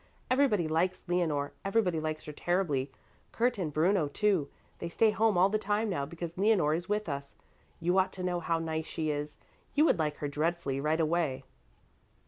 Everybody likes Leonore, everybody likes her terribly; Kurt and Bruno, too. They stay home all the time now because Leonore is with us. You ought to know how nice she is. You would like her dreadfully right away."